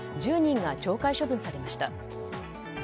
１０人が懲戒処分されました。